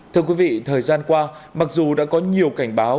thưa quý vị thời gian qua mặc dù đã có nhiều cảnh báo